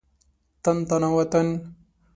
تن تنا وطن.